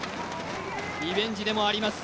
リベンジでもあります。